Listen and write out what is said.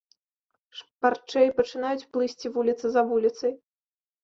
Шпарчэй пачынаюць плысці вуліца за вуліцай.